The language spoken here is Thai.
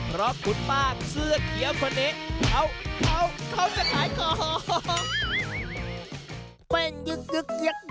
เพราะคุณป้าเสื้อเขียวคนเนี้ย